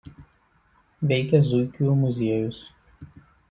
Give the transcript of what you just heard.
Veikia zuikių muziejus.